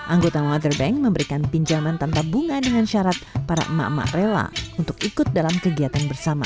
anggota mother bank memberikan pinjaman tanpa bunga dengan syarat para emak emak rela untuk ikut dalam kegiatan bersama